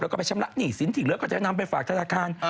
แล้วก็ไปชำระสินถึงเลือกก็จะนำไปฝากธนาคาร